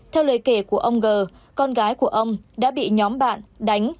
theo lời kể của ông g con gái của ông đã bị nhóm bạn đánh